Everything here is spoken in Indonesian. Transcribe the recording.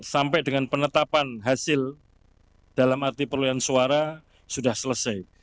sampai dengan penetapan hasil dalam arti perolehan suara sudah selesai